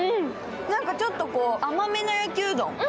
なんかちょっと甘めの焼きうどん。